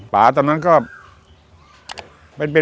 ป่าตอนนั้นก็